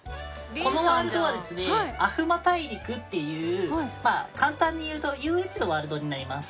このワールドはですねアフマ大陸っていう簡単に言うと遊園地のワールドになります。